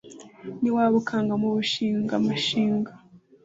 n'iwa bukangana mu bushinga-mashinga.